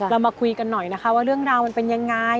มาคุยกันหน่อยนะคะว่าเรื่องราวมันเป็นยังไง